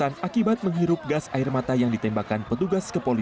nah ini sudah tidak nunggu lagi sudah lewat